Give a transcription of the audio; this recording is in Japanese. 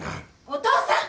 お父さん！